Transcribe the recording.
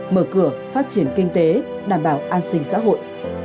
mở cửa phát triển kinh tế đảm bảo an sinh xã hội